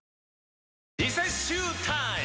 リセッシュータイム！